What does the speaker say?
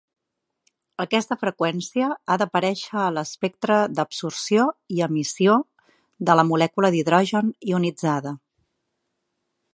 Aquesta freqüència ha d'aparèixer a l'espectre d'absorció i emissió de la molècula d'hidrogen ionitzada.